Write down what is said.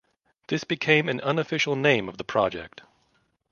This became an unofficial name of the project.